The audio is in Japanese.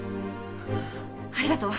ありがとう。